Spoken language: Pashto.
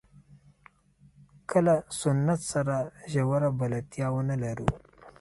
که له سنت سره ژوره بلدتیا ونه لرو.